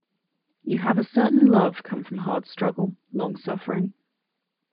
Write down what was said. You have a certain love come from hard struggle, long suffering.